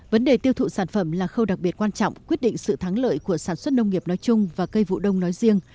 vấn đề tiêu thụ sản phẩm là khâu đặc biệt quan trọng quyết định sự thắng lợi của sản xuất nông nghiệp nói chung và cây vụ đông nói riêng